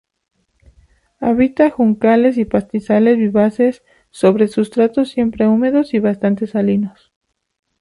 Habita juncales y pastizales vivaces sobre sustratos siempre húmedos y bastante salinos.